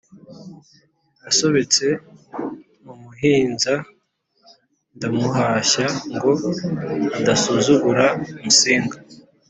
Nasobetse n'umuhinza ndamuhashya ngo adasuzugura Musinga